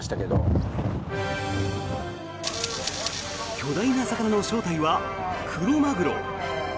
巨大な魚の正体はクロマグロ。